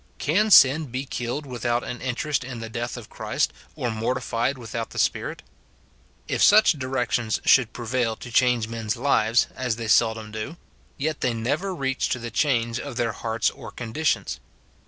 Can sin be killed without an interest in the death of Christ, or mortified without the Spirit ? If such directions should prevail to change men's lives, as seldom they do, yet they never reach to the change of their hearts or conditions.